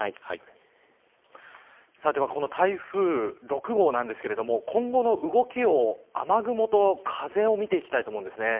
では、この台風６号なんですが今後の動きを雨雲と風を見ていきたいと思うんですね。